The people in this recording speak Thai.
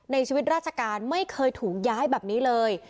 ในชีวิตราชการไม่เคยถูกย้ายแบบนี้เลย